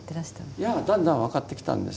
いやだんだん分かってきたんです。